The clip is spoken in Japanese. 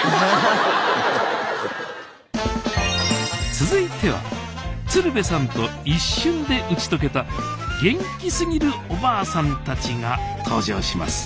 続いては鶴瓶さんと一瞬で打ち解けた元気すぎるおばあさんたちが登場します